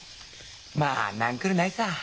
まあなんくるないさぁ。